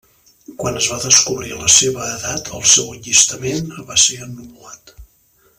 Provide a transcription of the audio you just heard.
Quan es va descobrir la seva edat el seu allistament va ser anul·lat.